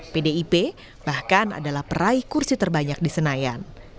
pdip bahkan adalah peraih kursi terbanyak di senayan